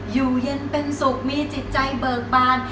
อยู่เย็นเป็นสุขมีจิตใจเบิกบาน